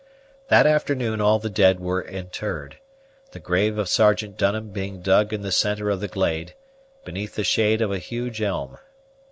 That afternoon all the dead were interred, the grave of Sergeant Dunham being dug in the centre of the glade, beneath the shade of a huge elm.